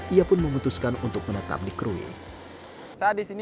ia pun memutuskan untuk menetap di krui